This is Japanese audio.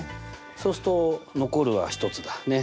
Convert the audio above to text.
そうすると残るは１つだね。